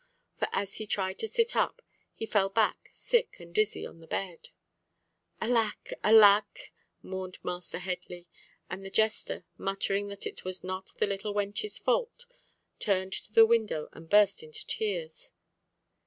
For as he tried to sit up, he fell back sick and dizzy on the bed. "Alack! alack!" mourned Master Headley; and the jester, muttering that it was not the little wench's fault, turned to the window, and burst into tears.